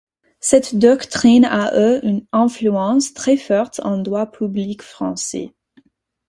Cette doctrine a eu une influence très forte en droit public français.